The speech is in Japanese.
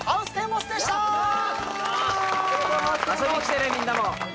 遊びに来てねみんなも。